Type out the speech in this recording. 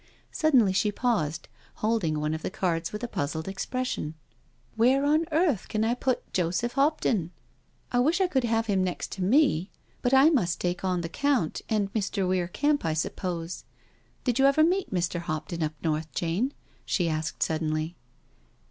Suddenly she paused, holding one of the cards with a puzzled expression. " Where on earth can I put Joseph Hopton? ... I wish I could have him next to me, but I must take on the Count and Mr. Weir Kemp, I suppose. Did you ever meet Mr. Hopton up north, Jane?" she asked suddenly.